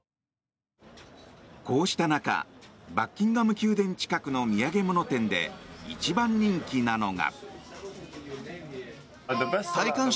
こうした中バッキンガム宮殿近くの土産物店で一番人気なのが。